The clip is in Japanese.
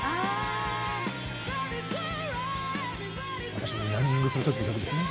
私のランニングする時の曲ですね。